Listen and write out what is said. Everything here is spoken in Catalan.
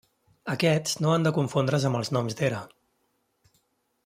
Aquests no han de confondre's amb els noms d'era.